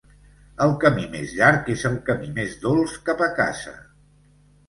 El camí més llarg és el camí més dolç cap a casa.